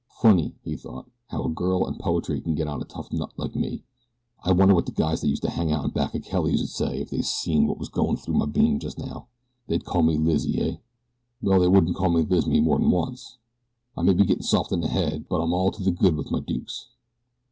"Funny," he thought, "how a girl and poetry can get a tough nut like me. I wonder what the guys that used to hang out in back of Kelly's 'ud say if they seen what was goin' on in my bean just now. They'd call me Lizzy, eh? Well, they wouldn't call me Lizzy more'n once. I may be gettin' soft in the head, but I'm all to the good with my dukes."